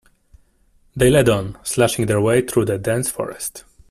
They led on, slashing their way through the dense forest.